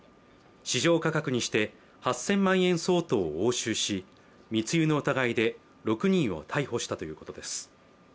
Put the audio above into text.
市場価格にして８０００万円相当を押収し密輸の疑いで６人を逮捕したということです。